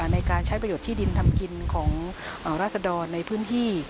ในการใช้ประโยชน์ที่ดินทำกินของราศดรในพื้นที่